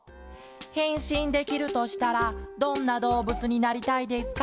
「へんしんできるとしたらどんなどうぶつになりたいですか？」。